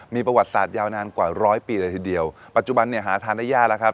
มีประวัติศาสตร์ยาวนานกว่าร้อยปีเลยทีเดียวปัจจุบันเนี่ยหาทานได้ยากแล้วครับ